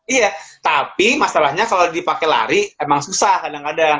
iya tapi masalahnya kalau dipakai lari emang susah kadang kadang